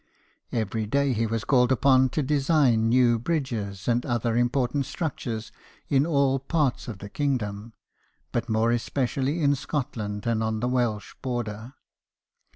Every day he was called upon to design new bridges and other important structures in all parts of the kingdom, but more especially in Scotland and on the Welsh border.